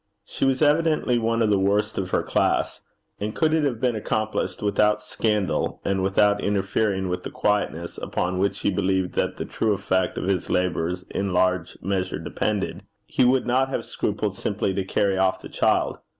She was evidently one of the worst of her class; and could it have been accomplished without scandal, and without interfering with the quietness upon which he believed that the true effect of his labours in a large measure depended, he would not have scrupled simply to carry off the child.